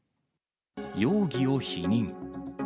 容疑を否認。